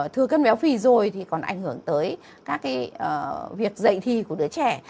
thừa cân béo phì rồi thì còn ảnh hưởng tới các việc dạy thì của đứa trẻ